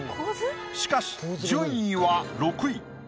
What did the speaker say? しかし順位は６位。